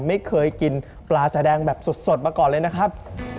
ไม่เคยกินปลาสาแดงแบบสดมาก่อนเลยนะครับ